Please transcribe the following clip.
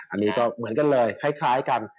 อันนี้ก็เหมือนกันเลยคล้ายกัน